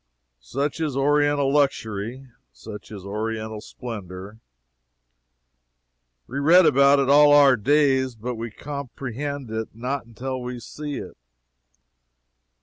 Such is Oriental luxury such is Oriental splendor! We read about it all our days, but we comprehend it not until we see it.